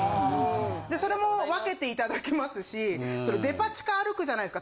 でそれも分けていただきますしデパ地下歩くじゃないですか。